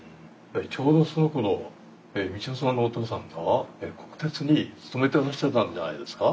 ちょうどそのころ道代さんのお父さんが国鉄に勤めてらっしゃったんじゃないですか？